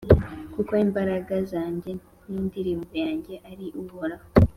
kuko imbaraga zanjye n’indirimbo yanjye ari Uhoraho,